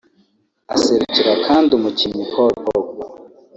aserukira kandi umukinyi Paul Pogba